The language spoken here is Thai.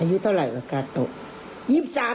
อายุเท่าไหร่วะกาโตะ